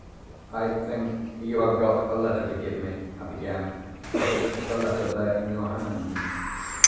"I think you have got a letter to give me," I began. "Is it the letter there, in your hand?"